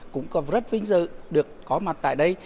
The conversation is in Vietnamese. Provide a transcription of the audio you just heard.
cũng rất vinh dự được có mặt tại đây